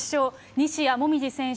西矢椛選手